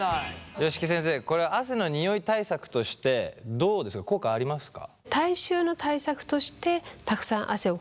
吉木先生これは汗のニオイ対策としてどうですか効果ありますか？